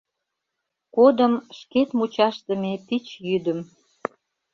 Кодым шкет мучашдыме пич йӱдым…